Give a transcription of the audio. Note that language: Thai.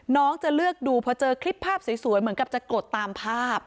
จะเลือกดูพอเจอคลิปภาพสวยเหมือนกับจะกดตามภาพ